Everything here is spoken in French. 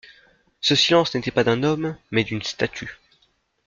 Ce silence n'était pas d'un homme, mais d'une statue.